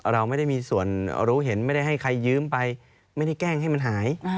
เราไม่ได้มีส่วนรู้เห็นไม่ได้ให้ใครยืมไปไม่ได้แกล้งให้มันหาย